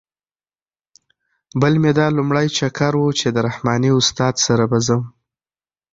بل مې دا لومړی چکر و چې د رحماني استاد سره به ځم.